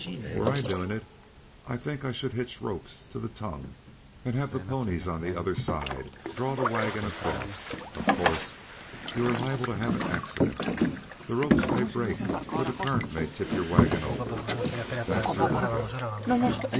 "Were I doing it I think I should hitch ropes to the tongue and have the ponies on the other side draw the wagon across. Of course, you are liable to have an accident. The ropes may break or the current may tip your wagon over. That's your lookout."